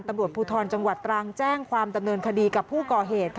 ตำรวจภูทรจังหวัดตรังแจ้งความดำเนินคดีกับผู้ก่อเหตุ